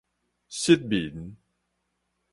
失眠